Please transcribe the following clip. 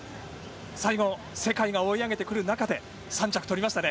最後、世界が追い上げてくる中で３着を取りましたね。